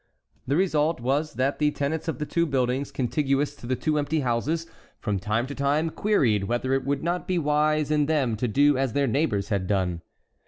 The result was that the tenants of the two buildings contiguous to the two empty houses from time to time queried whether it would not be wise in them to do as their neighbors had done.